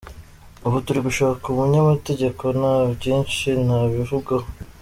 Ubu turi gushaka umunyamategeko nta byinshi nabivugaho.